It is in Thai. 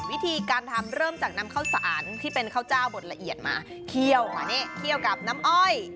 วิธีการทำเริ่มจากน้ำข้าวสะอาดที่เป็นเข้าจ้าวบดละเอียดมาเคี่ยวกับน้ำอ้อย